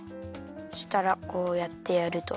そしたらこうやってやると。